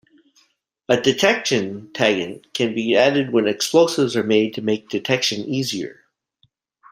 A detection taggant can be added when explosives are made to make detection easier.